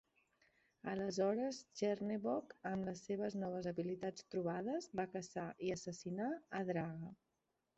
Aleshores Chernevog, amb les seves noves habilitats trobades, va caçar i assassinar a Draga.